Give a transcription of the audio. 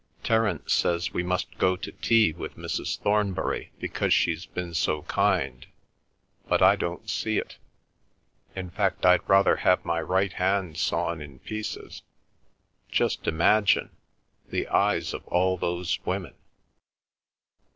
"Terence says we must go to tea with Mrs. Thornbury because she's been so kind, but I don't see it; in fact, I'd rather have my right hand sawn in pieces—just imagine! the eyes of all those women!"